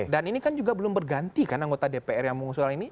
dan ini kan juga belum berganti kan anggota dpr yang mengusul ini